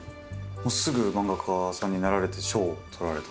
もうすぐ漫画家さんになられて賞をとられた？